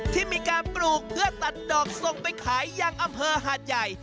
ที่มีการปลูกเพื่อตัดดอกส่งไปขายยังอำเภอหาดใหญ่